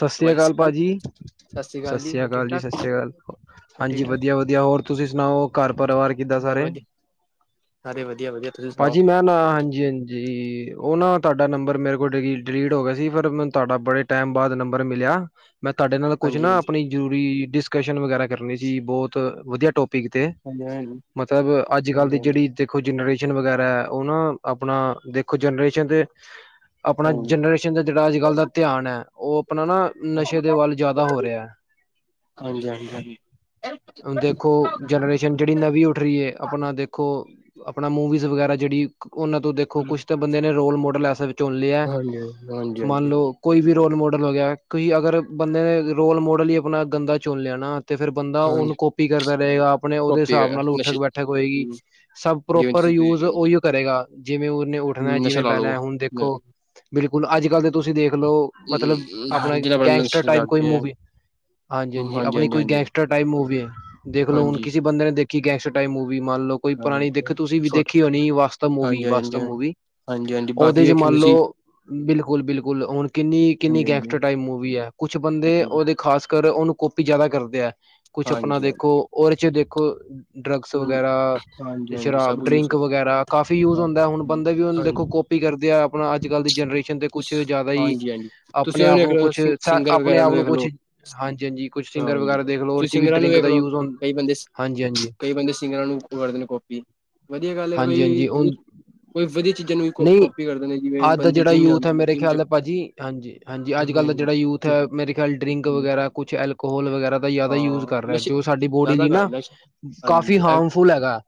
ਸਤਿ ਸ੍ਰੀ ਅਕਾਲ ਭਾਜੀ ਸ਼੍ਰੀ ਸਤਿ ਸ੍ਰੀ ਹੋਰ ਠੀਕ ਅਕਾਲ ਜੀ ਠਾਕ, ਸਤਿ ਸ੍ਰੀ ਅਕਾਲ ਹੋਰ ਹਾਂਜੀ ਠੀਕ ਠਾਕ, ਵਧੀਆ ਵਧੀਆ ਹੋਰ ਤੁਸੀਂ ਸੁਣਾਓ ਘਰ ਪਰਿਵਾਰ ਕਿੱਦਾਂ ਮੈਂ ਸਾਰੇ ਵਧੀਆ ਸਾਰੇ ਵਧੀਆ ਵਧੀਆ ਤੁਸੀਂ ਸੁਣਾਓ? ਭਾਜੀ ਮੈਂ ਨਾ ਹਾਂਜੀ ਹਾਂਜੀ ਉਹ ਨਾ ਤੁਹਾਡਾ ਨੰਬਰ ਮੇਰੇਲ ਡਿਲੀ ਡਿਲੀਟ ਹੋ ਗਿਆ ਸੀ ਫਿਰ ਤੁਹਾਡਾ ਬੜੇ ਟਾਈਮ ਬਾਅਦ ਨੰਬਰ ਮਿਲਿਆ ਮੈਂ ਤੁਹਾਡੇ ਨਾਲ ਕੁਛ ਹਾਂਜੀ ਨਾ ਆਪਣੀ ਜ਼ਰੂਰੀ ਡਿਸਕਸ਼ਨ ਵਗੈਰਾ ਕਰਨੀ ਸੀੀ ਬਹੁਤ ਵਧੀਆ ਟੋਪਿਕ ਤੇ ਹਾਂਜੀ, ਹਾਂਜੀ ਹਾਂਜੀ, ਮਤਲਬ ਅੱਜ ਕੱਲ ਹਾਂਜੀ, ਦੀ ਹਾਂਜੀ, ਜਿਹੜੀ ਦੇਖੋ ਜਨਰੇ ਵਗੈਰਾ ਉਹ ਨਾ ਆਪਣਾ ਦੇਖੋ ਜਨਰੇਸ਼ਨ ਤੇ ਆਪਣਾ ਹਾਂਜੀ। ਜਨਰੇਸ਼ਨ ਦਾ ਜਿਹੜਾ ਅੱਜ ਕੱਲ੍ਹ ਦਾ ਉਹ ਆਪਣਾ ਨਾ ਨਸ਼ੇ ਦੇ ਵੱਲ ਜ਼ਿਆਦਾ ਹੋ ਰਿਹਾ ਹ ਹਾਂਜੀ, ਹਾਂਜੀ, ਹਾਂਜੀ। ਹਾਂਜੀ, ਦੇਖੋ ਜਨਰੇਸ਼ਨ ਜਿਹੜੀ ਨਵੀਂ ਉੱਠ ਰਹੀ ਹੈ ਆਪਣਾ ਦੇਖੋ ਆਪਣਾ ਮੂਵੀਜ਼ ਵਗੈਰਾ ਜਿਹੜੀ ਉਹਨਾਂ ਤੋਂ ਦੇਖੋ ਕੁੱਛ ਤਾਂ ਬੰਦੇ ਨੇ ਰੋਲ ਮੋਡਲ ਐਸਾ ਚੁਣ ਲਿਆ ਹਾਂਜੀ, ਮੰਨ ਹਾਂਜੀ, ਲਓ ਵੀ ਰੋਲ ਮੋਡਲ ਹੋ ਗਿਆ ਤੁਈ ਅਗਰ ਬੰਦੇ ਨੇ ਰੋਲ ਮੋਡਲ ਹੀ ਆਪਣਾ ਗੰਦਾ ਚੁਣ ਲਿਆ ਨਾ ਤੇ ਫ਼ਿਰ ਬੰਦਾ ਹਾਂਜੀ ਉਹਨੂੰ ਕਪੀ ਕਰਦਾ ਰਹੇਗਾ ਆਪਣੇ ਉਹਦੇ ਕਾਪੀ ਹਿਸਾਬ ਨਾਲ ਨਸ਼ੇ ਉੱਠਕ ਬੈਠਕ ਹੋਏਗੀ ਸਭ ਜਿਵੇਂ ਪ੍ਰੋਪਰ ਯੂਜ ਤੁਸੀਂ ਉਹੀ ਕਰੇਗਾ ਜਿਵੇਂ ਉਹਨੇ ਉੱਠਣਾ ਨਸ਼ਾ ਜਿਵੇਂ ਲਾ ਲਓ। ਬਹਿਣਾ ਹੁਣ ਦੇਖੋ ਬਿਲਕੁਲ ਅੱਜ ਕੱਲ ਤਾਂ ਤੁਸੀਂ ਦੇਖ ਦੇਖਲਓ ਮਤਲਬ ਆਪਣਾ ਜਿਹੜਾ ਬੜਾ ਗੈਂਗਸਟਰ ਨਸ਼ਾ ਟਾਈਪ ਲੱਗ ਕੋਈ ਗਿਆ ਮੂਵੀ ਹਾਂਜੀ ਹਾਂਜੀ ਆਪਣੀ ਕੋਈ ਗੈਂਗਸਟਰ ਟਾਈਪ ਮੂਵੀ ਹੈ ਦੇਖ ਲੋੋ ਹੁ ਹਾਂਜੀ, ਕਿਸਸੀ ਬੰਦੇ ਨੇ ਦੇਖ ਕਿ ਗੈਂਗਸਟ ਟਾਈਮ ਮੰਨ ਲਓ ਕੋਈ ਪੁਰਾਣੀ ਹਾਂ ਦੇਖ ਤੁਸੀਂ ਵੀ ਛੋਟ ਦੇਖੀ ਹੋਣੀ ਵਾਸਤਵ ਮੂਵੀ ਹਾਂਜੀ, ਹਾਂਜੀ, ਵਾਸਤਵ ਹਾਂਜੀ। ਮੂਵੀ ਹਾਂਜੀ, ਹਾਂਜੀ ਉਹਦੇ ਬਾਗੀ ਚ ਵੇਖੀ ਮੰਨ ਤੁਸੀਂ ਲੋਓ ਬਿਲਕੁਲ ਬਿਲਕੁਲ ਹੁਣ ਕਿੰਨੀ ਕਿੰਨੀ ਹਾਂਜੀ, ਹਾਂਜੀ, ਗੈਂਗਸਟਰ ਟਾਈਪ ਮੂਵੀ ਹੈ ਕੁਛ ਬੰਦੇ ਹਾਂਜੀ। ਉਹਦੇ ਖਾਸ ਕਰ ਉਹਨੂੰ ਕਾਪੀ ਜ਼ਿਆਦਾ ਕਰਦੇ ਹੈ ਕੁਛ ਆਪਣਾ ਹਾਂਜੀ ਦੇਖੋ ਹਾਂਜੀ ਔਰ ਚ ਦੇਖੋ ਕੁ ਡਰੱਗਸ ਹਮ ਵਗੈਰਾ ਹਾਂਜੀ ਹਾਂਜੀ ਸਭ ਸ਼ਰਾਬ ਯੂਜ ਡਰਿੰਕ ਵਗੈਰਾ ਕਾਫੀ ਯੂਜ ਹੁੰਦਾ ਹੁਣ ਬੰਦੇ ਵੀ ਹ ਹਾਂਜੀ ਦੇਖੋ ਕਪੀ ਕਰਦੇ ਆ ਆਪਣਾ ਅੱਜ ਕੱਲ ਦੀ ਜਨਰੇਸ਼ਨ ਤੇ ਇਸ ਕੁਛ ਜ਼ਿਆਦਾ ਹੀ ਹਾਂਜੀ ਹਾਂਜੀ ਤੁਸੀਂ ਆਪਣੇ ਉਹਨੂੰ ਆਪ ਵੇਖ ਨੂੰ ਲਓ ਕੁਛ ਸਿੰਗਰ ਆਪਣੇ ਵਗੈਰਾ ਆਪ ਨੂੰ ਵੇਖ ਕੁਛ ਲਓ ਹਾਂਜੀ ਹਾਂਜੀ ਕੁਛ ਸਿੰਗਰ ਹਾਂਜੀ ਵਗੈਰਾ ਦੇਖਲ ਉਹ ਤੁਸੀਂ ਚ ਵੀ ਸਿੰਗਰਾਂ ਨੂੰ ਡਰਿੰਕ ਵੇਖ ਦਾ ਲਓ ਯੂਜ ਹ ਕਈ ਬੰਦੇ ਹਾਂਜੀ ਹਾਂਜੀ ਕਈ ਬੰਦੇ ਸਿੰਗਰਾਂ ਨੂੰ ਉਹ ਕਰਦੇ ਨੇ ਕੋਪੀ, ਵਧੀਆ ਗੱਲ ਹੈ ਹਾਂਜੀ ਕੋਈ ਹਾਂਜੀ ਉਹ ਯੂ ਕੋਈ ਵਧੀਆ, ਚੀਜ਼ਾਂ ਨੂੰ ਵੀ ਕੋ ਨਹੀਂ ਕਾਪੀ ਕਰਦੇ ਨੇ ਜਿਵੇਂ ਅੱਜ ਦਾ ਬੰਦੇ ਜਿਹੜਾ ਜਿੰਮ ਯੂਥ ਜਾਂਦੇ ਹੈ, ਨੇ ਮੇਰੇ ਜਿੰਮ ਚ ਖਿਆਲ ਭਾਜੀ ਹਾਂਜੀ-ਹਾਂਜੀ ਅੱਜ ਹਾਂਜੀ ਕੱਲ ਦਾ ਹਾਂਜੀ ਜਿਹੜਾ ਯੂਥ ਜਿਮ ਹੈ ਮੇਰੇ ਖਿਆਲ ਡਰਿੰਕ ਹਾਂਜੀ ਵਗੈਰਾ ਕੁਛਲ, ਕੋਲ ਵਗੈਰਾ, ਜ਼ਿਆਦਾ ਯੂਜ ਹਾਂ ਕਰ ਰਿਹਾ, ਨਸ਼ੇ ਜੋ ਸਾਡੀ ਬੋਡੀ ਜ਼ਿਆਦਾ ਲਈ ਕਰ ਨਾ ਨਸ਼ ਹਾਂਜੀ ਕਾਫੀ ਇਹ ਹਾਰਮਫੁਲ ਹੈਗਾ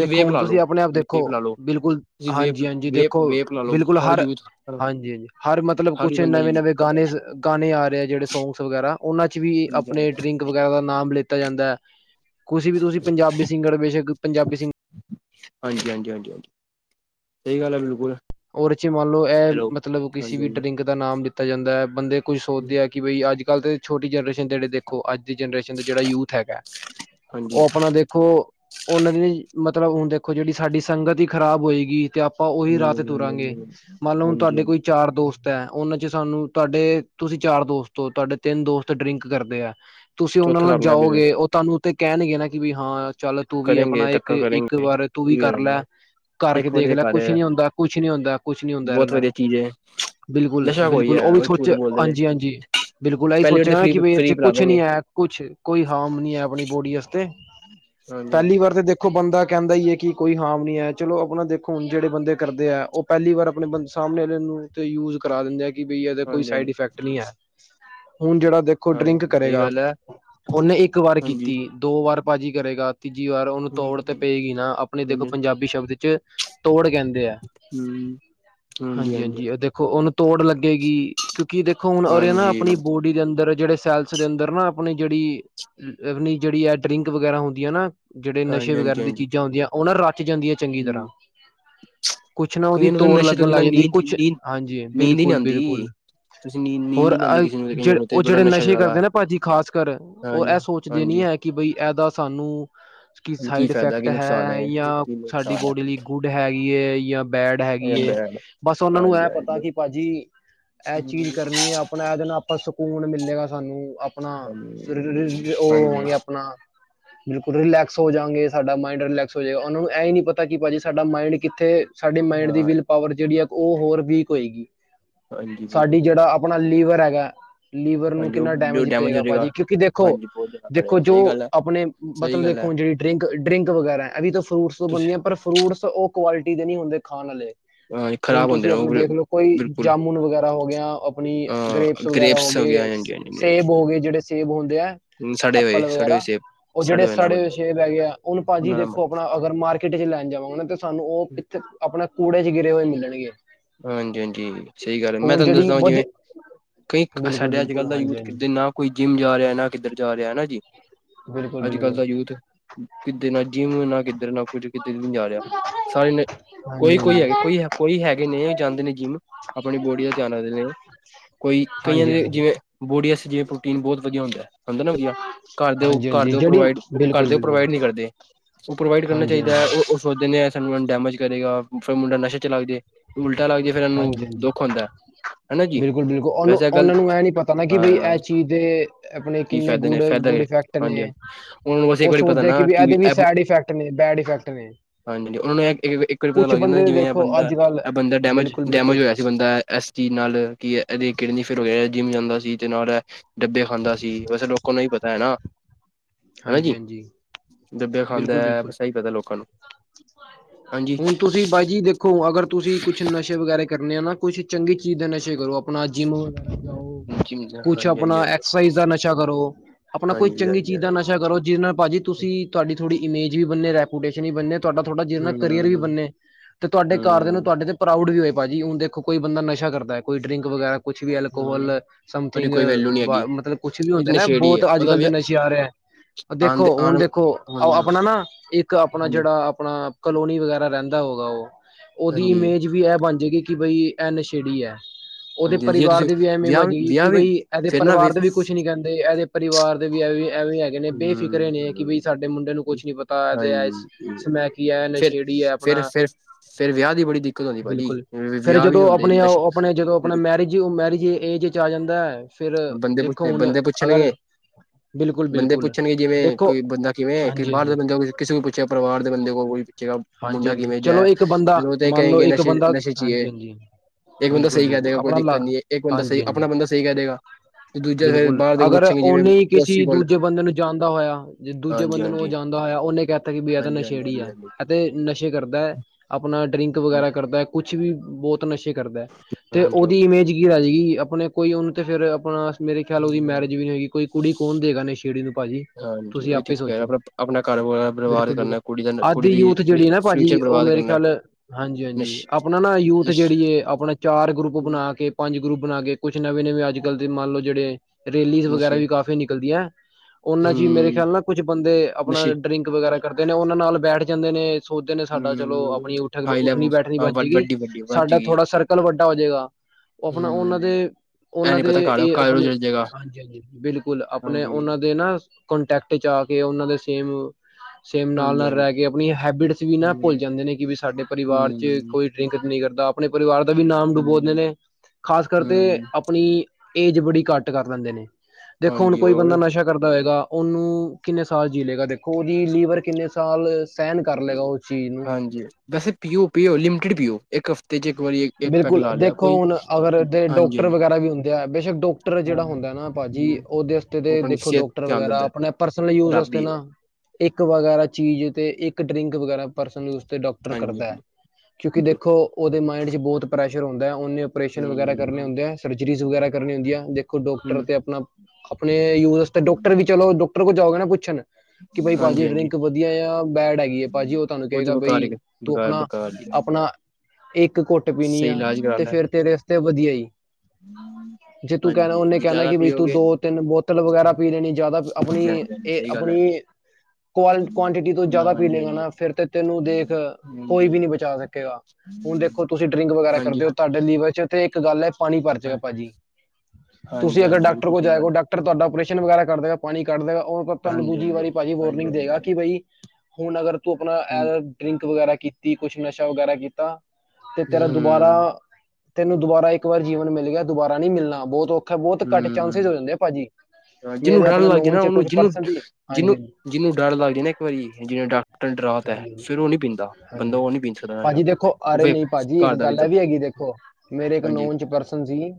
ਦੇਖੋ ਵੇਪ ਹੁਣ ਲਾ ਤੁਸੀਂ ਲਓ ਆਪਣੇ ਆਪ ਵੇਪ ਦੇਖੋ ਲਾ ਲਓ ਬਿਲਕੁਲ ਤੁਸੀਂ ਵੇਪ ਹਾਂਜੀ। ਜੀ ਵੇਪ ਦੇਖੋ ਵੇਪ ਲਾ ਲਓ ਬਿਲਕੁਲ ਹਰ ਯੂਥ ਹਰ ਹਾਂਜੀ-ਹਾਂਜੀ ਹਰ ਮਤਲਬ ਹਰ ਕੁਛ ਬੰਦਾ ਨਵੇਂ ਯੂਜ ਨਵੇਂ ਕਰ ਗਾਣੇ ਰਿਹਾ ਗਾਣੇ ਆ ਰਹੇ ਆ ਜਿਹੜੇ ਸੌਂਗਸ ਵਗੈਰਾ, ਉਹਨਾਂ ਚ ਵੀ ਹਾਂਜੀ ਆਪਣੇ ਡਰਿੰਕ ਵਗੈਰਾ ਦਾ ਨਾਮ ਲਤਾ, ਦਿੱਤਾ ਜਾਂਦਾ ਹੈ, ਕੁਸੀ ਵੀ ਤੁਸੀਂ ਪੰਜਾਬੀ ਸਿੰਗਰ ਬੇਸ਼ੱਕ ਪੰਜਾਬੀ ਸਿੰਗ, ਹਾਂਜੀ-ਹਾਂਜੀ-ਹਾਂਜੀ-ਹਾਂਜੀ ਸਹੀ ਗੱਲ ਹੈ ਬਿਲਕੁਲ, ਔਰਚ ਮੰਨ ਲੋ ਇਹ ਹੈਲੋ ਮਤਲਬ ਕਿਸੇ ਹਾਂਜੀ ਵੀ ਹਾਂਜੀ ਡਰਿੰਕ ਦਾ ਨਾਮ ਦਿੱਤਾ। ਤਾ ਜਾਂਦਾ ਹੈ ਬੰਦੇ, ਕੁੱਝ ਸੋਚਦੇ ਆ ਕਿ ਬਈ ਅੱਜ, ਕੱਲ ਛੋਟੀ ਜਨਰੇਸ਼ਨ ਨੇੜੇ ਦੇਖੋ। ਦੀ ਜਨਰੇਸ਼ਨ ਦਾ ਜਿਹੜਾ ਯੂਥ ਹੈਗਾ ਹਾਂਜੀ ਉਹ ਆਪਣਾ ਦੇਖੋ। ਉਹਨਾਂ ਦੀ ਮਤਲਬ ਹੁਣ ਦੇਖੋ ਜਿਹੜੀ ਸਾਡੀ ਸੰਗਤ ਹੀ ਖ਼ਰਾਬ ਹੋਏਗੀ। ਤੇ ਆਪਾਂ ਉਹੀ ਹਾਂਜੀ ਰਾਤ, ਤੁਰਾਂਗੇ ਹਾਂਜੀ ਮੰਨ ਲਓ ਹਾਂਜੀ ਤੁਹਾਡੇ ਕੋਈ ਚਾਰ ਦੋਸਤ, ਉਹਨਾਂ ਚ ਸਾਨੂੰ ਤੁਹਾਡੇ ਤੁਸੀਂ ਚਾਰ ਦੋਸਤ ਹੋ ਤੁਹਾਡੇ ਤਿੰਨ ਦੋਸਤ ਡਰਿੰਕ ਕਰਦੇ ਆ। ਤੁਸੀਂ ਉਹਨਾਂ ਚੌਥਾ ਨਾਲ ਆਪਣਾ ਵੀ ਜਾਓਗੇ ਉਹ ਤੁਹਾਨੂੰ, ਤੇ ਕਹਿਣਗੇ ਨਾ ਕਿ ਵੀ ਹਾਂ, ਚੱਲ ਤੂੰ ਵੀ ਕਰੇਗੇ ਆਪਣਾ ਇੱਕ ਧੱਕਾ ਇੱਕ ਕਰੇਗੇ ਵਾਰ ਤੂੰ ਵੀ ਕਰ ਰੋਣਾ ਲੈ ਕਰਕੇ ਇੱਕ ਵਾਰੀ ਦੇਖ ਦੇ ਲੈ ਘਰ ਕੁਛ ਨੀ ਆਦਾ। ਕੁਛ ਨੀ ਹੁੰਦਾ ਕੁਛ ਨੀ ਹੁੰਦਾ ਇਹਦੇ ਬਹੁਤ ਨਾਲ ਵਧੀਆ ਚੀਜ਼ ਹੈ ਨਸ਼ਾ ਕੋਈ ਬਿਲਕੁਲ-ਬਿਲਕੁਲ ਹੈ ਉਹ ਵੀ ਸੋਚ ਝੂਠ ਬੋਲਦੇ ਨੇ ਹਾਂਜੀ-ਹਾਂਜੀ ਬਿਲਕੁਲ ਇਹੀ ਪਹਿਲੀ ਵਾਰੀ ਤੇ ਸੋਚਿਆ ਆ ਨਾ ਫਰੀ ਕਿ ਵੀ ਇਹਦੇ ਫਰੀ ਚ ਪਿਲਾ ਕੁਛ ਨੀ ਦਾਂਗੇ ਹੈ ਕੁਛ ਕੋਈ ਹਾਰਮ ਨੀ ਹੈ ਆਪਣੀ ਬੋਡੀ ਵਾਸਤੇ, ਹਾਂਜੀ ਹਾਂਜੀ ਪਹਿਲੀ ਵਾਰ ਤਾਂ ਦੇਖੋ ਬੰਦਾ, ਕਹਿੰਦਾ ਹੀ ਹੈ ਕਿ ਕੋਈ ਹਾਰ ਨੀ ਹੈ ਚਲੋ ਆਪਣਾ ਦੇਖੋ ਹੁਣ ਜਿਹੜੇ ਬੰਦੇ, ਕਰਦੇ ਆ ਉਹ ਪਹਿਲੀ ਵਾਰ ਆਪਣੇ ਬੰ ਸਾਹਮਣੇ ਵਾਲੇ ਨੂੰ ਤੇ ਯੂਜ ਕਰਾ ਦਿੰਦੇ ਆ। ਕਿ ਬਈ ਇਹਦਾ ਕੋਈ ਹਾਂਜੀ ਸਾਈਡ ਹਾਂਜੀ ਇਫੈਕਟ ਨੀ ਐ। [unintelligible] ਹੁਣ ਜਿਹੜਾ ਦੇਖੋ ਡਰਿੰਕ ਹਾਂਜੀ ਸਹੀ ਕਰੇਗਾ ਗੱਲ ਹੈ ਉਹਨੇ ਇੱਕ ਵਾਰ ਹਾਂਜੀ ਕੀਤੀ ਦੋ ਵਾਰ, ਭਾਜੀ ਕਰੇਗਾ। ਤੀਜੀ ਵਾਰ ਉਹਨੂੰ ਹਾਂਜੀ ਤੋੜ ਤੇ ਪਏਗੀ ਨਾ ਆਪਣੇ ਦੇਖੋ ਪੰਜਾਬੀ ਸ਼ਬਦ ਚ, ਤੋੜ ਕਹਿੰਦੇ ਹਾਂਜੀ ਹਮ ਹਾਂਜੀ ਦੇਖੋ ਉਹਨੂੰ ਤੋੜ ਲੱਗੇਗੀ ਕਿਉਂਕਿ ਦੇਖੋ ਹੁਣ ਰੇ ਨਾ ਹਾਂਜੀ ਆਪਣੀ ਬੋਡੀ ਦੇ ਅੰਦਰ ਜਿਹੜੇ ਸੈਲਸ ਦੇ ਅੰਦਰ ਨਾ ਆਪਣੀ ਜਿਹੜੀ ਆਪਣੀ ਜਿਹੜੀ ਆ ਡਰਿੰਕ ਵਗੈਰਾ ਹੁੰਦੀ ਹੈ ਨਾ ਜਿਹੜੇ ਨਸ਼ੇ ਹਾਂਜੀ ਵਗੈਰਾ ਦੀ ਹਾਂਜੀ ਚੀਜ਼ਾਂ ਹੁੰਦੀਆਂ ਉਹ ਰਚ ਜਾਂਦੀ ਹੈ ਚੰਗੀ ਤਰ੍ਹਾਂ ਹਾਂਜੀ ਕੁਛ ਨਾ ਕਈਆਂ ਉਹਦੀ ਨੂੰ ਤਾਂ ਤੋੜ ਨਸ਼ੇ ਤੋਂ ਲੱਗਣ ਬਿਨਾਂ ਲੱਗ ਜਾਂਦੀ ਨੀਂਦ ਕੁਛ ਨੀਂਦ ਹਾਂਜੀ ਨੀਂਦ ਹੀ ਨਹੀਂ ਬਿਲਕੁਲ ਆਉਂਦੀ ਬਿਲਕੁਲ ਤੁਸੀਂ ਨੀਂਦ ਨੀਂਦ ਹੋਰ ਨਹੀਂ ਆਂਦੀ ਅ ਕਿਸੇ ਨੂੰ ਜਿ ਕਈਆਂ ਨੂੰ ਤੇ ਉਹ ਬੜਾ ਜਿਹੜੇ ਨਸ਼ਾ ਨਸ਼ੇ ਜ਼ਿਆਦਾ ਕਰਦੇ ਨਾ ਭਾਜੀ ਖ਼ਾਸ ਕਰ ਉਹ ਹਾਂਜੀ ਇਹ ਸੋਚਦੇ ਨੀ ਹਾਂਜੀ ਹੈ ਕਿ ਬਈ ਇਹਦਾ ਸਾਨੂੰ ਕੀ ਸਾਈਡ ਫਾਇਦਾ ਇਫੈਕਟ ਕੀ ਨੁਕਸਾਨ ਹੈ ਜਾਂ ਕੀ ਸਾਡੀ ਨੁਕਸਾਨ ਬੋਡੀ ਲਈ ਗੁੱਡ ਹੈਗੇ ਜਾਂ ਬੈਡ ਹੈ ਇਹ ਹੈਗੀ ਬੈਡ ਬਸ ਉਹਨਾਂ ਨੂੰ ਇਹ ਹਾਂਜੀ ਪਤਾ ਹਾਂਜੀ ਕਿ ਭਾਜੀ ਇਹ ਚੀਜ਼ ਕਰਨੀ ਹੈ ਆਪਣਾ ਇਹ ਦਿ ਨਾਲ ਆਪਾਂ ਸੁ ਸਕੂਨ ਮਿਲੇਗਾ ਸਾਨੂੰ ਆਪਣਾ ਸਰੀਰ ਉਹ ਹਾਂਜੀ ਹੋਵਾਂਗੇ ਆਪਣਾ ਬਿਲਕੁਲ ਰਿਲੈਕ ਸੋ ਜਾਗੇ ਸਾਡਾ ਮਾਈਂਡ ਰਿਲੈਕਸ ਹੋ ਜਾਵੇਗਾ ਉਹਨਾਂ ਨੂੰ ਇਹ ਨਹੀਂ ਪਤਾ ਕਿ ਭਾਜੀ ਸਾਡਾ ਮਾਈੰਡ ਇੱਥੇ ਸਾਡੇ ਹਾਂ ਮਾਇੰਡ ਦੀ ਵਿਲ ਪਾਵਰ ਜਿਹੜੀ ਆ ਉਹ ਹੋਰ ਵੀਕ ਹੋਏਗੀ ਹਾਂਜੀ ਬਿਲਕੁਲ ਸਾਡੀ ਸਹੀ ਗੱਲ ਜਿਹੜਾ ਆਪਣਾ ਲੀਵਰ ਹੈਗਾ ਲੀਵਰ ਨੂੰ ਹਾਂਜੀ ਕਿੰਨਾ ਉਹ ਡੈਮੇਜ ਹੋ ਪਏਗਾ ਜਾਏਗਾ ਭਾਜੀ ਕਿਉਂਕਿ ਦੇਖੋ ਹਾਂਜੀ ਬਹੁਤ ਜਾਣਾ ਦੇਖੋ ਪੜੇਗਾ ਜੋ ਸਹੀ ਗੱਲ ਹੈ ਆਪਣੇ ਸਹੀ ਮਤਲਬ ਗੱਲ ਹੈ ਦੇਖੋੁ ਜਿਹੜੀ ਡਰਿੰਕ ਡਰਿੰਕ ਵਗੈਰਾ ਇਹ ਤਾਂ ਫਰੂਟਸ ਤੋਂ ਬਣਦੀਆਂ ਪਰ ਫਰੂਟਸ ਉਹ ਕੁਆਲਿਟੀ ਦੇ ਨੀ ਹੁੰਦੇ ਖਾਣ ਵਾਲੇ ਤੁਸੀਂ ਹੁਣ ਖ਼ਰਾਬ ਹੁੰਦੇ ਤੁਸੀਂ ਨੇ ਉਹ ਆਪਣੇ ਦੇਖਲਓ ਕੋਈ ਬਿਲਕੁਲ ਜਾਮੁਨ ਵਗੈਰਾ ਹੋ ਗਿਆ ਆਪਣੀ ਅ ਗਰੇਬਸ ਵਗੈਰਾ ਹੋ ਗ੍ਰੇਪਸ ਗਿਆ ਗਏ ਹਾਂਜੀ ਸੇਬ ਹਾਂਜੀ ਹੋ ਗਏ ਜਿਹੜੇ ਸੇਬ ਹੁੰ ਸੜੇ ਹੋਏ ਐਪਲ ਸੜੇ ਹੋਏ ਵਗੈਰਾ ਸੇਬ ਉਹ ਜਿਹੜੇ ਹੋਏ ਨਾ ਸੜੇ ਬੰਦੇ ਸੇਬ ਹੈਗੇ ਆ ਉਹਨੂੰ ਭਾਜੀ ਉਹਨਾਂ ਦਾ ਦੇਖੋ ਆਪਣਾ ਅਗਰ ਮਾਰਕੀਟ [inaudible] ਸਾਨੂੰ ਉਹ ਪਿੱਥੇ ਆਪਣਾ ਕੂੜੇ ਚ ਗਿਰੇ ਹੋਏ ਮਿਲਣਗੇ ਹਾਂਜੀ ਹਾਂਜੀ ਸਹੀ ਗੱਲ ਹੈ ਮੈਂ ਹੁਣ ਤੁਹਾਨੂੰ ਜਿਹੜੀ ਦੱਸਦਾ ਵਧੀ ਜਿਵੇਂ ਕਈ ਬਿਲਕੁਲ ਸਾਡੇ ਅੱਜ ਬਿਲਕੁਲ ਕੱਲ੍ਹ ਦਾ ਹਾਂਜੀ ਯੂਥ ਹਾਂਜੀ ਕਿੱਰ ਨਾ ਕੋਈ ਜਿੰਮ ਜਾ ਰਿਹਾ ਨਾ ਕਿੱਧਰ ਜਾ ਰਿਹਾ ਨਾ ਜੀ ਬਿਲਕੁਲ ਅੱਜ ਕੱਲ੍ਹ ਦਾ ਬਿਲਕੁਲ ਯੂਥ ਕਿੱਧਰ ਨਾ ਜਿੰਮ ਹਾਂਜੀ ਹਾਂਜੀ ਹਾਂਜੀ ਨੇ ਜਾਂਦੇ ਨੇ ਜਿੰਮ ਆਪਣੀ ਬੋਡੀ ਦਾ ਧਿਆਨ ਰੱਖਦੇ ਨੇ ਕੋਈ ਕਈਆਂ ਦੇ ਹਾਂਜੀ ਜਿਵੇਂ ਜਿ ਪ੍ਰੋਟੀਨ ਬਹੁਤ ਵਧੀਆ ਹੁੰਦਾ ਹੁੰਦਾ ਨਾ ਵਧੀਆ ਘਰਓ ਹਾਂਜੀ ਹਾਂਜੀ ਘਰਦੇਓ ਜਿਹੜੀ ਪ੍ਰੋਵਾਈਡ ਬਿਲਕੁਲ ਘਰਦੇਓ ਬਿਲਕੁਲ ਪ੍ਰੋਵਾਈਡ ਨਹੀਂ ਕਰਦੇ ਉਹ ਪ੍ਰੋਵਾਈਡ ਕਰਨਾ ਹਾਂਜੀ ਚਾਹੀਦਾ ਹਾਂਜੀ ਉਹ ਸੋਚ ਦਿੰਦੇ ਸਾਨੂੰ ਡੈਮੇਜ ਕਰੇਗਾ ਫਿਰ ਮੁੰਡਾ ਨਸ਼ਾ ਚ ਲਗਦੇ ਹਾਂਜੀ-ਹਾਂਜੀ, ਹਨਾ ਜੀ ਬਿਲਕੁਲ-ਬਿਲਕੁਲ, ਉਹਨੂੰ ਵੈਸੇ ਗੱਲ ਉਹਨਾਂ ਨੂੰ ਇਹ ਨੀ ਪਤਾ ਨਾ ਕਿ ਬਈ ਹਾਂ ਇਹ ਚੀਜ਼ ਦੇ ਆਪਣੇ ਕੀ ਕਿੰਨੇ ਫਾਇਦੇ ਨੇ ਫਾਇਦਾ ਗੁਡ-ਗੁਡ ਏ ਇਫੈਕਟ ਹਾਂਜੀ ਨੇ, ਹਾਂਜੀ ਉਹਨਾਂ ਨੂੰ ਬਸ ਇੱਕ ਉਹ ਵਾਰੀ ਪਤਾ ਸੋਚਦੇ ਕਿ ਨਾ ਇਹਦੇ ਵੀ ਸੈਡ ਇਫੈਕਟ ਨੇ ਬੈਡ ਇਫੈਕਟ ਨੇ ਹਾਂਜੀ ਉਹਨਾਂ ਨੂੰ ਇੱਕ ਵਾਰੀ ਪਤਾ ਕੁਛ ਲੱਗ ਜਾਂਦਾ ਬੰਦੇ ਦੇ ਜਿਵੇਂ ਇਹ ਦੇਖੋ ਬੰਦਾ ਅੱਜ-ਕੱਲ ਇਹ ਬੰਦਾ ਡੈਮੇਜ, ਡੈਮੇਜ ਹੋਇਆ ਸੀ ਬੰਦਾ ਐਸ ਚੀਜ਼ ਨਾਲ ਕਿ ਇਹਦੇ ਕਿਹੜੇ ਫਿਰ ਜਿੰਮ ਜਾਂਦਾ ਸੀ ਤੇ ਨਾਲ ਡੱਬੇ ਖਾਂਦਾ ਸੀ, ਵੈਸੇ ਲੋਕਾਂ ਨੂੰ ਹੀ ਪਤਾ ਹੈ ਨਾ ਹਨਾ ਜੀ ਹਾਂਜੀ-ਹਾਂਜੀ, ਡੱਬੇ ਖਾਂਦਾ ਹੈ ਬਿਲਕੁਲ-ਬਿਲਕੁਲ, ਬਸ ਇਹੀ ਪਤਾ ਲੋਕਾਂ ਨੂੰ ਹਾਂਜੀ ਹੁਣ ਤੁਸੀਂ ਬਾਈ ਜੀ ਦੇਖੋ ਅਗਰ ਤੁਸੀਂ ਕੁਛ ਨਸ਼ੇ ਵਗੈਰਾ ਕਰਨਾ ਆਪ ਨਾ ਕੁਛ ਚੰਗੀ ਚੀਜ਼ ਦੇ ਨਸ਼ੇ ਕਰੋ ਆਪਣਾ ਜਿੰਮ ਜਿਮ ਕੁਛ ਹਾਂਜੀ ਹਾਂਜੀ ਆਪਣਾ ਐਕਸਰਸਾਈਜ਼ ਦਾ ਨਸ਼ਾ ਕਰੋ ਆਪਣਾ ਕੁਈ ਹਾਂਜੀ ਹਾਂਜੀ ਚੰਗੀ ਚੀਜ਼ ਹਾਂਜੀ ਦਾ ਨਸ਼ਾ ਕਰੋ ਜਿਹਦੇ ਨਾਲ ਭਾਜੀ ਤੁਸੀਂ ਤੁਹਾਡੀ ਹਾ੍ਹ ਇਮੇਜ ਵੀ ਬਨੇ, ਰੈਪੂਟੇਸ਼ਨ ਵੀ ਬਨੇ ਤੁਹਾਡਾ ਥੋਡਾ ਜਿ ਨਾਲ ਕਰੀਅਰ ਵੀ ਹੂੰ ਬੰਨੇ, ਤੇ ਤੁਹਾਡੇ ਘਰ ਦੇ ਹੂੰ ਨੂੰ ਤੁਹਾਡੇ ਤੇ ਪ੍ਰਾਊਡ ਵੀ ਹੋਏ। ਭਾਜੀ ਹੁ ਦੇਖੋ ਕੋਈ ਬੰਦਾ ਨਸ਼ਾ ਕਰਦਾ ਹੈ ਕੋਈ ਡਰਿੰਕ ਵਗੈਰਾ ਕੁਛ ਵੀ ਅਲਕੋਹਲ ਹੂੰ ਉਹਦੀ ਸਮਥਿੰਗ ਕੋਈ ਵੈਲੂ ਨਹੀਂ ਹੈਗੀ ਮਤਲਬ ਕੁਛ ਵੀ ਉਹ ਤੇ ਹੁੰਦੇ ਨਾ ਨਸ਼ੇੜੀ ਹੈ ਬਹੁਤ ਉਹਦਾ ਅੱਜ-ਕੱਲ ਦੇ ਵਿਆਹ ਨਸ਼ੇ ਆ ਰਹੇ ਹੈ। ਆਣ ਦੇਖੋ ਦੇ ਹੁਣ ਆਣ ਦੇਖੋ, ਆਪਣਾ ਹਾਂਜੀ ਨਾ ਇੱਕ ਆਪਣਾ ਜਿਹੜਾ ਆਪਣਾ ਕਲੋਨੀ ਵਗੈਰਾ ਰਹਿੰਦਾ ਹੋਊਗਾ ਉਹ ਉਹਦੀ ਹਾਂਜੀ ਇਮੇਜ ਵੀ ਇਹ ਬਣ ਜਾਏਗੀ। ਕਿ ਬਈ ਐਨ ਨਸ਼ੇੜੀ ਹੈ। ਉਹਦੇ ਹਾਂਜੀ ਜੇ ਪਰਿਵਾਰ ਤੁਸੀਂ ਦੀ ਵੀ ਐਵੇਂ ਵਿਆਹ ਬਣ ਗਈ ਵਿਆਹ ਕਿ ਵੀ ਬਈ ਇਹਦੇ ਫਿਰ ਨਾ ਵੇ ਪਰਿਵਾਰ ਦੇ ਵੀ ਕੁਛ ਨੀ ਕਹਿੰਦੇ ਇਹਦੇ ਪਰਿਵਾਰ ਦੇ ਵੀ ਐ ਵੀ ਐਵੇਂ ਨੇ ਬੇਫਿਕਰੇ ਨੇ ਕਿ ਹੂੰ ਬਈ ਸਾਡੇ ਮੁੰਡੇ ਨੂੰ ਕੁਛ ਨੀ ਪਤਾ ਇਹਦੇ ਹਾਂਜੀ ਸਮੈਕੀ ਹੈ, ਫਿਰ ਨਸ਼ੇੜੀ ਹੈ ਫਿਰ ਆਪਣਾ ਫਿਰ ਫਿਰ ਵਿਆਹ ਦੀ ਬੜੀ ਦਿੱਕਤ ਹੁੰਦੀ ਭਾਜੀ ਬਿਲਕੁਲ ਫਿਕਰੇ ਨੇ ਵਿਆਹ ਵੀ ਨੀ ਜਦੋਂ ਹੁੰਦੇ ਨਸ਼ੇ ਆਪਣੇ-ਆਪਣੇ ਜਦੋਂ ਆਪਣਾ ਮੈਰਿਜ-ਮੈਰਿਜ ਏਜ ਚ ਆ ਜਾਂਦਾ ਹੈ ਫਿਰ ਬੰਦੇ ਦੇਖੋ ਪੁੱਛਦੇ ਹੁਣ ਬੰਦੇ ਅਗਰ ਪੁੱਛਣਗੇ ਬੰਦੇ ਬਿਲਕੁਲ-ਬਿਲਕੁਲ। ਪੁੱਛਣਗੇ, ਜਿਵੇਂ ਕੋਈ ਬੰਦਾ ਕਿਵੇਂ ਬਾਹਰ ਦੇ ਬੰਦੇ ਕੋਲ ਕਿਸੇ ਵੀ ਪੁੱਛਿਆ, ਪਰਿਵਾਰ ਦੇ ਬੰਦੇ ਕੋਲ ਕੋਈ ਪੁੱਛੇਗਾ ਹਾਂਜੀ ਮੁੰਡਾ ਹਾਂਜੀ ਕਿਵੇਂ ਜਾ, ਚਲੋ ਇੱਕ ਬੰਦਾ ਫਿਰ ਉਹ ਤਾਂ ਇਹ ਮੰਨ ਲਓ ਕਹਿਣਗੇ ਇੱਕ ਬੰਦਾ ਨਸ਼ੇ-ਨਸ਼ੇ ਚ ਹਾਂਜੀ ਹੀਏ, ਹਾਂਜੀ ਇੱਕ ਬੰਦਾ ਬਿਲਕੁਲ ਸਹੀ ਕਹਿ ਬਿਲਕੁਲ ਦੇਗਾ ਕੋਈ ਆਪਣਾ ਦਿੱਕਤ ਲਾ ਨਹੀਂ ਹੈ, ਇੱਕ ਬੰਦਾ ਹਾਂਜੀ ਸਹੀ ਹਾਂਜੀ ਆਪਣਾ ਬੰਦਾ ਸਹੀ ਕਹਿ ਦੇਗਾ। ਤੇ ਦੂਜਾ ਫਿਰ ਬਿਲਕੁਲ, ਬਾਹਰ ਦੇ ਅਗਰ ਪੁੱਛਣਗੇ ਜਿਵੇਂ ਉਹਨੇ ਪੜੋਸੀ ਕਿਸੇ ਕੋਲ ਦੂਜੇ ਬੰਦੇ ਨੂੰ ਜਾਣਦਾ ਹੋਇਆ ਦੂਜੇ ਹਾਂਜੀ ਬੰਦੇ ਨੂੰ ਉਹ ਹਾਂਜੀ ਜਾਣਦਾ ਹੋਇਆ, ਉਹਨੇ ਕਹਿਤਾ ਕਿ ਇਹ ਤਾਂ ਹਾਂਜੀ ਹਾਂਜੀ ਨਸ਼ੇੜੀ ਹਾਂਜੀ ਹੈ। ਹਾਂਜੀ ਅਤੇ ਨ ਕਰਦਾ ਆਪਣਾ ਡਰਿੰਕ ਵਗੈਰਾ ਕਰਦਾ। ਕੁਛ ਵੀ ਬਹੁਤ ਨਸ਼ੇ ਕਰਦਾ ਤੇ, ਹਾਂਜੀ ਉਹਦੀ ਹਾਂਜੀ ਇਮੇਜ ਕੀ ਰਹ ਜਾਏਗੀ। ਆਪਣੇ ਕੋਈ ਉਹਨੂੰ ਤੇ ਫਿਰ ਆਪਣਾ ਮੇਰੇ ਖਿਆਲ ਉਹਦੀ ਹਮ ਮੈਰਿਜ ਵੀ ਨਹੀਂ ਹੋਈ। ਕੋਈ ਕੁੜੀ ਕੌਣ ਦੇਗਾ ਨਸ਼ੇੜੀ ਨੂੰ ਭਾਜੀ, ਹਾਂਜੀ ਤੁਸੀਂ ਉਹੀ ਤੇ ਆਪੇ ਕਹਿ ਰਿਹਾ, ਸੋਚੋ। ਆਪਣਾ ਆਪਣਾ ਘਰ ਬਾਰ ਬਰਬਾਦ ਬਿਲਕੁਲ-ਬਿਲਕੁਲ, ਕਰਨਾ ਕੁੜੀ ਦਾ ਅੱਜ ਦੇ ਕੁੜੀ ਦੀ ਯੂਥ ਜਿਹੜੀ ਨਾ ਫਿਊਚਰ ਭਾਜੀ ਔ ਬਰਬਾਦ ਮੇਰੇ ਕਰਨਾ ਖਿਆਲ। ਹਾਂਜੀ, ਹਾਂਜੀ ਨਸ਼ ਆਪਣਾ ਨਾ ਯੂਥ ਨਸ਼ ਜਿਹੜੀ ਏ ਆਪਣਾ ਚਾਰ ਗਰੁੱਪ ਬਣਾ ਕੇ ਪਾਂ ਗਰੁੱਪ ਬਣਾ ਕੇ ਕੁਛ ਨਵੇਂ, ਨਵੇਂ ਅੱਜ ਕਲ ਦੇ ਮਨ ਲਓ ਜਿਹੜੇ ਰੇਲੀਜ਼ ਵਗੈਰਾ ਨਸ਼ੇ ਵੀ ਕਾਫੀ ਨਿਕਲਦੀਆਂ। ਔਨਾਂ ਚ ਵੀ ਮੇਰੇ ਹਮ ਖਿਆਲ ਨਾ ਕੁੱਝ ਬੰਦੇ ਆਪਣਾ ਨਸ਼ੇ ਡਰਿੰਕ ਵਗੈਰਾ ਕਰਦੇ ਨੇ ਔਨਾਂ ਨਾਲ ਬੈਠ ਜਾਂਦ ਦੇ ਨੇ ਸੋਚਦੇ ਨੇ ਸਾਡਾ ਚਲੋ ਹਮ ਆਪਣੀ ਉੱਠਕ ਹਾਈ ਉੱਠਣੀ ਲੈਵਲ ਬੈਠਣੀ ਹਾਂ ਬਣ ਵ ਜਾਏਗੀ। ਵੱਡੀ ਵੱਡੀ ਵੱਜ ਸਾਡਾ ਗਈ ਥੋੜਾ ਸਰਕਲ ਵੱਡਾ ਹੋ ਜਾਏਗਾ। ਔ ਆਪਣਾ ਔਨਾਂ ਹਮ ਦੇ, ਐ ਔਨਾਂ ਨੀ ਦੇ ਪਤਾ ਘਰ ਇਹ ਘਰ ਆਪਣੇ ਚਲ ਜੇਗਾ ਹਾਂਜੀ, ਹਾਂਜੀ ਬਿਲਕੁਲ ਆਪਣੇ ਹਾਂਜੀ ਔਨਾਂ ਦੇ ਨਾ ਕੋਂਟੈਕਟ ਚ ਆ ਕੇ ਔਨਾਂ ਦੇ ਸੇਮ ਸੇਮ ਨਾਲ, ਹਾਂਜੀ ਨਾਲ ਹਾਂਜੀ ਰਹਿ ਕੇ ਆਪਣੀ ਏ ਹੈਬਿਟਸ ਸੀਗੀ ਨਾ ਭੁੱਲ ਹਮ ਜਾਂਦੇ ਨੇ, ਕਿ ਵੀ ਸਾਡੇ ਪਰਿਵਾਰ ਚ ਹਮ ਕੋਈ ਡਰਿੰਕ ਨਹੀਂ ਕਰ ਦਾ ਆਪਣੇ ਪਰਿਵਾਰ ਦਾ ਵੀ ਨਾਮ ਡੁਬੋਦੇਂ ਹਮ ਨੇ ਖਾਸ ਕਰਤੇ ਹਮ ਆਪਣੀ ਏਜ ਬੜੀ ਘੱਟ ਕਰ ਲੈਂਦੇ ਨੇ। ਦੇਖੋ ਹੁਣ ਹਾਂਜੀ ਕੋਈ ਬੰਦਾ ਹੋਰ ਨਸ਼ਾ ਕਰਦਾ ਹੋਏਗਾ। ਔਨੂੰ ਕਿੰਨੇ ਸਾਲ ਜੀਲੇਗਾ ਦੇਖੋ ਔਦੀ ਲੀਵਰ ਕਿੰਨੇ ਸਾਲ ਸਹਿਣ ਕਰ ਲਏਗਾ ਉਸ ਚੀਜ਼ ਨੂੰ ਹਾਂਜੀ ਵੈਸੇ ਪੀਓ, ਪੀਓ ਲਿਮਟਿਡ ਪੀਓ ਇੱਕ ਹਫ਼ਤੇ ਚ ਇੱਕ ਵਾਰੀ ਇੱਕ ਪੈਗ ਬਿਲਕੁਲ ਲਾ ਲਿਆ ਦੇਖੋ ਕੋਈ ਹੁਣ ਅਗਰ ਜੇ ਹਾਂਜੀ ਡਾਕਟਰ ਹਾਂਜੀ ਵਗੈਰਾ ਵੀ ਹੁੰਦੇ ਆ, ਬੇਸ਼ੱਕ ਡਾਕਟਰ ਹਾਂ ਜਿਹੜਾ ਹੁੰਦਾ ਨਾ ਭਾਜੀ ਹੂੰ, ਉਹਦੇ ਆਸਤੇ ਉਹ ਆਪਣੀ ਦੇਖੋ ਸਿਹਤ ਡਾਕਟਰ ਧਿਆਨ ਵਗੈਰਾ ਦਿੰਦਾ ਆਪਣੇ ਪਰਸਨਲ ਯੂਜ ਰੱਬ ਆਸਤੇ ਹੀ ਹੈ ਨਾ ਇੱਕ ਵਗੈਰਾ ਚੀਜ਼ ਤੇ ਇੱਕ ਡਰਿੰਕ ਵਗੈਰਾ ਪਰਸਨ ਤੇ ਡਾਕਟਰ ਹਾਂਜੀ ਕਰਦਾ ਕਿਉਂਕਿ ਹਾਂਜੀ। ਦੇਖੋ ਮਾਇੰਡ ਚ ਬਹੁਤ ਪ੍ਰੈਸ਼ਰ ਹੁੰਦਾ। ਓਨੇ ਔਪਰੇਸ਼ਨ ਵਗੈਰਾ ਕਰਨੇ ਹੂੰ ਹੁੰਦੇ ਆ ਸਰਜਰੀਜ਼ ਵਗੈਰਾ ਕਰਨੀ ਹੁੰਦੀ ਆ। ਕੋਈ ਡਾਕਟਰ ਹੂੰ ਤੇ ਆਪਣਾ [unintelligible] ਤੇ ਯੂਜ਼ ਡਾਕਟਰ ਵੀ ਚਲੋ ਡੋਕ ਕੋ ਜਾਔਗੇ ਪੁੱਛਣ ਕਿ ਬਾਈ ਹਾਂਜੀ ਭਾਜੀ ਹਾਂਜੀ ਡਰਿੰਕ ਵਧੀਆ ਜਾਂ ਬੈਡ ਹੈਗੀ ਏ। ਭਾਜੀ ਔ ਤੁਹਾਨੂੰ ਉਹ ਤੇ ਕਹੇਗਾ ਬਈ ਬੇਕਾਰ ਬਕਾਰ ਤੂੰ ਬੇਕਾਰ ਆਪਣਾ ਬੇਕਾਰ ਜੀ ਹੈ। ਆਪਣਾ ਇੱਕ ਕੁੱਟ ਪੀਣੀ ਸਹੀ ਆ ਇਲਾਜ ਤੇ ਕਰਾਉਂਦਾ ਹੈ। ਫੇਰ ਤੇਰੇ ਤੇ ਵਧੀਆ ਜੀ। ਜੇ ਤੂੰ ਕਹਿਣਾ ਹਾਂਜੀ ਔਨੇ ਜੇ ਕਹਿਣਾ ਜ਼ਿਆਦਾ ਕਿ ਬਈ ਤੂੰ ਪੀਓਗੇ ਦੋ-ਤਿੰਨ ਬੋਤਲ ਵਗੈਰਾ ਪੀ ਲੈਣੀ ਜ਼ਿਆਦਾ ਆਪਣੀ ਹਾਂਜੀ ਹਾਂਜੀ ਹਾਂਜੀ ਇਹ ਸਹੀ ਗੱਲ ਹੈ ਆਪਣੀ ਕੁਆਲ ਕੁਆਂਟਿਟੀ ਤੋਂ ਨਾ ਜ਼ਿਆਦਾ ਪੀ ਹਾਂਜੀ ਲੇਗਾ ਹਾਂਜੀ ਨਾ ਫਿਰ ਤੇ ਤੈਨੂੰ ਦੇਖ ਹਾਂਜੀ ਕੋਈ ਵੀ ਨੀ ਹਾਂਜੀ ਬਚਾ ਸਕੇਗਾ। ਹੁਣ ਦੇਖੋ ਤੁਸੀਂ ਡਰਿੰਕ ਵਗੈਰਾ ਹਾਂਜੀ ਕਰਦੇ ਹੋ ਹਾਂ ਤੁਹਾਡੇ ਲਈ- ਵਿੱਚ ਤੇ ਇੱਕ ਗੱਲ ਹੈ ਪਾਣੀ ਪਰਚੇਗਾ ਭਾਜੀ ਤੁਸੀਂ ਹਾਂਜੀ ਅਗਰ ਹਾਂਜੀ ਡਾੱਕਟਰ ਬਿਲਕੁਲ ਕੋਲ ਸਹੀ ਜਾਏਗੋ ਗੱਲ ਡਾਕਟਰ ਤੁਹਾਡਾ ਓਪਰੇਸ਼ਨ ਵਗੈਰਾ ਕਰਦਾ ਹੈ ਪਾਣੀ ਕੱਢਦੇਗਾ। ਹੁਣ ਤਾਂ ਤੁਹਾਨੂੰ ਹਾਂਜੀ ਦੂਜੀ ਹਾਂਜੀ ਵਾਰੀ ਭਾਜੀ ਹਾਂਜੀ ਵਾਰਰਨਿੰਗ ਹਾਂਜੀ ਦੇਗਾ ਹਾਂਜੀ ਕਿ ਬਈ ਹੁਣ ਅਗਰ- ਤੂੰ ਆਪਣਾ ਹਾਂਜੀ ਡਰਿੰਕ ਵਗੈਰਾ- ਕੀਤੀ ਕੁੱਛ ਨਸ਼ਾ ਵਗੈਰਾ ਕੀਤਾ- ਤਾਂ- ਤੇ ਤਰਾ ਹੂੰ ਦੁਬਾਰਾ ਤੈਨੂੰ ਦੁਬਾਰਾ ਇੱਕ ਵਾਰ ਜੀਵਨ ਮਿਲ ਗਿਆ ਦੁਬਾਰਾ ਨੀ ਮਿਲਣਾ ਬਹੁਤ ਔਖਾ ਬਹੁਤ ਘੱਟ ਹੂੰ ਚਾਂਸਸ ਹੋ ਜਾਂਦੇ ਆ ਭਾਜੀ ਜਿਹਨੂੰ ਮੇਰੇ ਡਰ ਆਪਣਾ ਲੱਗ ਜਾ ਨੋਨ ਨਾ ਚ ਉਹਨੂੰ ਕੁਝ ਜਿਹਨੂੰ ਪਰਸਨ ਦੀ ਜਿਹਨੂੰ ਹਾਂਜੀ ਜਿਹਨੂੰ ਡਰ ਲੱਗ ਜਾ ਨਾ ਇੱਕ ਵਾਰੀ ਜਿਹਨ ਡਾਕਟਰ ਡਰਾਤਾ ਹੈ ਹਾਂਜੀ ਫਿਰ ਉਹ ਨੀ ਪੀਂਦਾ ਬੰਦਾ ਹਾਂਜੀ ਉਹ ਨੀ ਪੀਂ ਸਕਦਾ। ਭਾਜੀ ਦੇਖੋ ਅਰੇ ਵੇ ਨਹੀਂ ਭਾਜੀ ਇੱਕ ਘਰ ਦਾ ਗੱਲ ਦ ਇਹ ਵੀ ਹੈਗੀ ਦੇਖੋ ਮੇਰੇ ਇੱਕ ਹਾਂਜੀ ਨੌੰਚ ਪਰਸਨ ਸੀ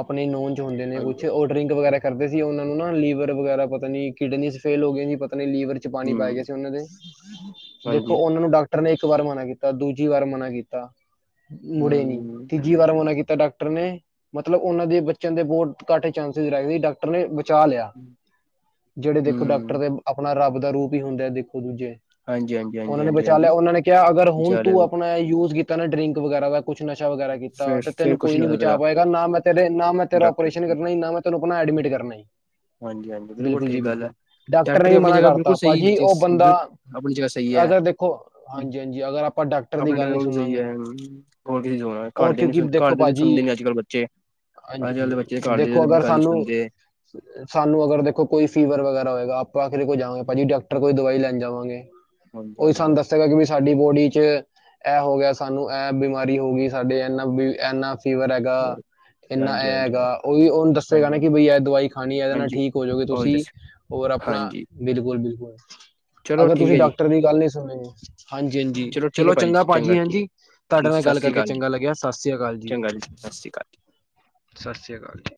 ਆਪਣੀ- ਨੋਨਜ ਹੁੰ ਨੇ ਹਾਂਜੀ ਕੁਛ ਉਹ ਡਰਿੰਕ ਵਗੈਰਾ ਕਰਦੇ ਸੀ ਉਹਨਾਂ ਨੂੰ ਨਾ ਲੀਵਰ ਵਗੈਰਾ ਪਤਾ ਨੀ ਕਿਡਨੀਜ਼ ਫੇਲ ਹੋ ਗਏ ਸੀ ਪਤਾ ਆਪਣੇ ਲੀਵਰ ਚ ਪਾਣੀ ਪੈ ਹੂੰ ਗਿਆਏ ਸੀ ਉਹਨਾਂ ਦੇਖੋ ਹਾਂਜੀ ਉਹਨਾਂ ਨੂੰ ਡਾਕ ਨੇ ਇੱਕ ਵਾਰ ਮਨਾ ਕੀਤਾ ਦੂਜੇ- ਜੀ ਵਾਰ ਮਨਾ ਕੀਤਾ- ਹੂੰ ਮੁੜੇ ਨ ਤੀਜੀ ਵਾਰ ਮਨਾ ਕਿ ਡਾਕਟਰ ਨੇ ਮਤਲਬ ਉਹਨਾਂ ਦੇ ਬਚਣ ਦੇ ਬਹੁਤ ਘੱਟ ਚਾਂਸਿਸ ਰਹਿ ਗਏ ਡਾਕਟਰ ਨੇ ਚਾਹ ਲਿਆ ਜਿਹੜੇ ਦੇਖੋ ਡਾਕਟਰ ਹੂੰ ਦੇ ਆਪਣਾ ਰੱਬ- ਦਾ ਰੂਪ ਹੀ ਹੁੰਦਾ ਹੈ ਦੇਖ ਦੂਜੇ ਹਾਂਜੀ ਹਾਂਜੀ ਹਾਂਜੀ ਉਹਨਾਂ ਨੇ ਹਾਂਜੀ ਹਾਂਜੀ ਬਚਾਲਿਆ ਉਹਨਾਂ ਨੇ ਕਿਹਾ ਅਗਰ ਹੁਣ ਵਿਚਾਲੇ ਤੂੰ ਅਪ ਯੂਜ ਕੀਤਾ ਨਾ ਡਰਿੰਕ ਵਗੈਰਾ ਦਾ ਕੁਛ ਨਸ਼ਾ ਵਗੈਰਾ ਕੀਤਾ ਫਿਰ ਤੇ ਫਿਰ ਤੈਨੂੰ ਕੁਛ ਕੋਈ ਨੀ ਹੋ ਬਚਾ ਸਕਦਾ ਪਾਏਗਾ ਨਾ ਮੈਂ ਤੇਰੇ ਨਾ ਮੈਂ ਤੇਰਾ ਡਾਕਟਰ ਓਪਰੇਸ਼ਨ ਕਰਨਾ ਨਾ ਮੈਂ ਤੈਨੂੰ- ਉਹਨਾਂ ਐਡਮਿਟ ਕਰਨਾ ਈ- ਹਾਂਜੀ ਹਾਂਜੀ ਬਿਲਕੁਲ ਜੀ ਠੀਕ ਗੱਲ ਹੈ ਬਿਲਕੁਲ ਡਾਕਟਰ ਨੇ ਵੀ ਆਪਣੀ ਮਨਾ ਜਗ੍ਹਾ ਬਿਲਕੁਲ ਕਰਤਾ ਸਹੀ ਪਾਜੀ ਉਹ ਜਿਸ ਬੰਦਾ ਆਪਣੀ ਜਗ੍ਹਾ ਸਹੀ ਹੈ ਅਗਰ ਦੇਖੋ ਹਾਂਜੀ-ਹਾਂਜੀ ਅਗਰ ਦੇਖੋ ਆਪਾ ਡਾਕ ਆਪਣੇ ਟੈਮ ਉਹ ਵੀ ਸਹੀ ਹੈ। ਹੋਰ ਕਿ ਸੁਣਾ ਘਰ ਔਰ ਦੇ ਨੀ ਕਿਉਂਕਿ ਸੁਣਦੇ ਘਰ ਦੇਖੋ ਦੇ ਭਾਜੀ ਸੁਣਦੇ ਨੀ ਅੱਜ ਕੱਲ ਬੱਚੇ ਹਾਂਜੀ ਅੱਜ ਕੱਲ ਬੱਚੇ ਹਾਂਜੀ ਘਰ ਦੇ ਦੇਖੋ ਅਗਰ ਗੱਲ ਨਹੀ ਹੀ ਸਾਨੂੰ ਸੁਣਦੇ ਸਾਨੂੰ ਅਗਰ ਦੇਖੋ ਕੋਈ ਫੀਵਰ ਵਗੈਰਾ ਹੋਏਗਾ ਆਖਿਰ ਕੋ ਜਾਵਾ ਗੇ ਜੀ ਡਾਕੱਟਰ ਕੋਲ ਦਵਾਈ ਲੈਣ ਜਾਵਾਂਗੇ- ਹਾਂਜੀ ਉਹ ਹਾਂਜੀ ਸਾਨੂੰ ਦੱਸੇਗਾ ਕਿ ਸਾਡੀ ਬੋਡੀ ਚ, ਇਹ ਹੋ ਗਿਆ ਸਾਨੂੰ ਇਹ ਬਿਮਾਰੀ ਹੋ ਗਈ ਸਾਡੇ ਇਨਾ-ਇਨਾ, ਫੀਵਰ ਹਾਂਜੀ ਹੈਗਾ ਇੰਨਾ ਹਾਂਜੀ ਇਹ ਹਾਂਜੀ ਹੈਗਾ ਉਹ ਵੀ ਉਹਨੂੰ ਦੱਸੇਗਾ ਹਾਂਜੀ ਨਾ ਕਿ ਹਾਂਜੀ ਬਈ ਇਹ ਦਵਾਈ ਖਾਣੀ ਹੈ ਇਹਦੇ ਨਾਲ ਹਾਂਜੀ ਠੀਕ ਹੋ ਜਾਓਗੇ ਉਹੀ ਤੁਸੀ ਦੱਸ ਔਰ ਆਪਣਾ ਹਾਂਜੀ ਬਿਲਕੁਲ-ਬਿਲਕੁਲ, [inaudible] ਚਲੋ ਅਗਰ ਠੀਕ ਤੁਸੀਂ ਹੈ ਜੀ ਡਾਕਟਰ ਦੀ ਗੱਲ ਨਹੀ ਚਲੋ ਜੀ, ਹਾਂਜੀ-ਹਾਂਜੀ, ਚਲੋ ਚੰਗਾ ਭਾਜੀ ਹਾਂਜੀ ਤੁਹਾਡੇ ਠੀਕ ਨਾਲ ਸਤਿ ਗੱਲ ਸ਼੍ਰੀ ਕਰਕੇ ਅਕਾਲ ਜੀ ਚੰਗਾ ਲੱਗਿਆ ਸਤਿ ਸ੍ਰੀ ਅਕਾਲ ਜੀ। ਚੰਗਾ ਸਤਿ ਸ਼੍ਰੀ ਅਕਾਲ ਸਤਿ ਸ੍ਰੀ ਅਕਾਲ ਜੀ।